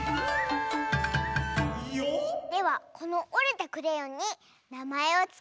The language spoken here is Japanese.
ではこのおれたクレヨンになまえをつけて。